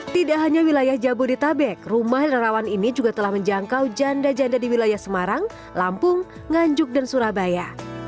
tidak hanya wilayah jabodetabek rumah lerawan ini juga telah menjangkau janda janda di wilayah semarang lampung nganjuk dan surabaya